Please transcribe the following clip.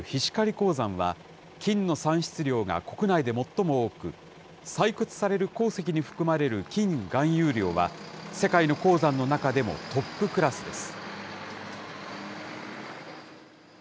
鉱山は、金の産出量が国内で最も多く、採掘される鉱石に含まれる金の含有量は、世界の鉱山の中でもトップクラスです。